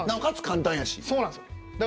そうなんです。